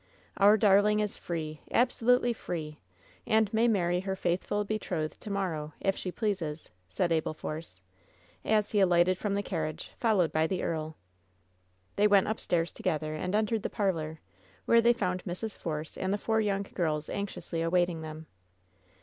Our darling is free — absolutely free — and may marry her faithful betrothed to morrow, if she pleases!" said Abel Force, as he alighted from the carriage, followed by the earl. They went upstairs together, and entered the parlor, where they found Mrs. Force and the four young girls anxiously awaiting them.